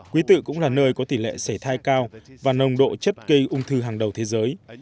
quý tự cũng là nơi có tỷ lệ xảy thai cao và nồng độ chất gây ung thư hàng đầu thế giới